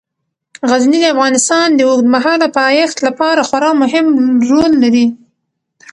غزني د افغانستان د اوږدمهاله پایښت لپاره خورا مهم رول لري.